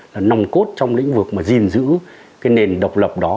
là nòng cốt trong lĩnh vực mà gìn giữ cái nền độc lập đó